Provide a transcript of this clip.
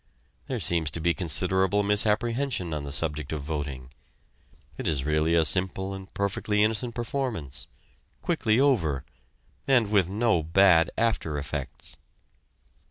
There seems to be considerable misapprehension on the subject of voting. It is really a simple and perfectly innocent performance, quickly over, and with no bad after effects.